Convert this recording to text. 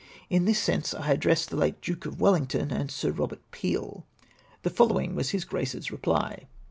In this sense I addressed the late Duke of Welhng ton and Sir Eobert Peel. The o following was his Grace's reply.